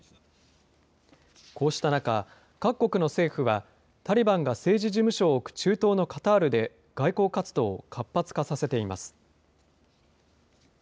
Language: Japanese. こうした中、各国の政府はタリバンが政治事務所を置く中東のカタールで、外交活動を活発化させています。